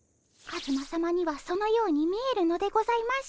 カズマさまにはそのように見えるのでございましょう。